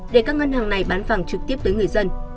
để các ngân hàng này bán vàng trực tiếp tới người dân